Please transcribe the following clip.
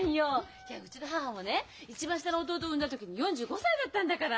いやうちの母もね一番下の弟を産んだ時４５歳だったんだから！